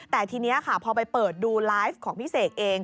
แต่ทีนี้ค่ะพอไปเปิดดูไลฟ์ของพี่เสกเอง